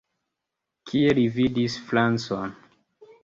Kie li vidis francon?